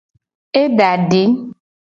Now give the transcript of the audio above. E da di.